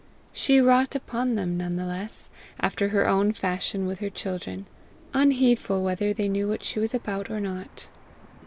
She wrought upon them nevertheless after her own fashion with her children, unheedful whether they knew what she was about or not.